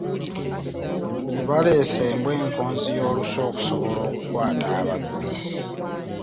Baleese embwa enkonzi y’olusu okusobala okukwata ababbi.